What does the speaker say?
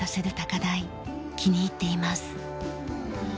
気に入っています。